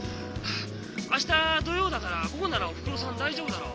明日土曜だから午後ならおふくろさん大丈夫だろ？